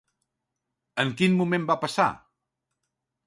En quin moment va passar?